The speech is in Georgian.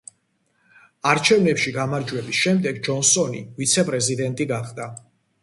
არჩევნებში გამარჯვების შემდეგ ჯონსონი ვიცე-პრეზიდენტი გახდა.